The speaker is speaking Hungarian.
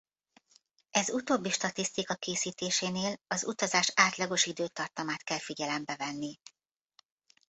Ez utóbbi statisztika készítésénél az utazás átlagos időtartamát kell figyelembe venni.